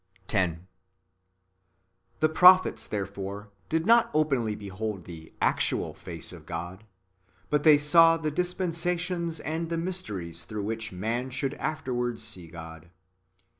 10. The prophets, therefore, did not openly behold the actual face of God, but [they saw] the dispensations and the mysteries through which man should afterwards see God.